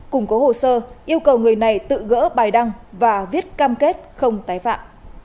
cùng có hồ sơ yêu cầu người này tự gỡ bài đăng và viết cam kết không tái phạm